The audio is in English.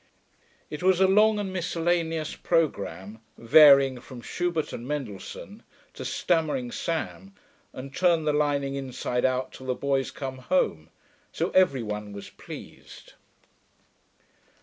It was a long and miscellaneous programme, varying from Schubert and Mendelssohn to 'Stammering Sam' and 'Turn the lining inside out till the boys come home,' so every one was pleased.